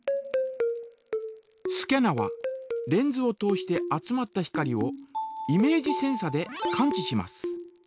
スキャナはレンズを通して集まった光をイメージセンサで感知します。